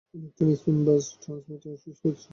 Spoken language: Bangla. ইলেক্ট্রন স্পিন বার্স্ট ট্রান্সমিটারে সুইচ করছি।